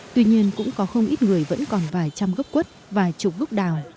tuy nhiên cũng có không ít người vẫn còn vài trăm gốc quất vài chục gốc đào